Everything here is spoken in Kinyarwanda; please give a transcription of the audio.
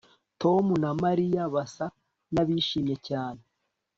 Tom na Mariya basa nabishimye cyane